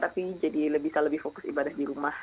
tapi jadi bisa lebih fokus ibadah di rumah